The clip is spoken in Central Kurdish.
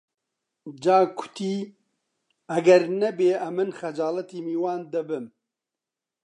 جا کوتی: ئەگەر نەبێ ئەمن خەجاڵەتی میوان دەبم